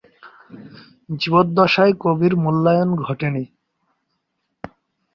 জীবদ্দশায় কবির মূল্যায়ন ঘটেনি।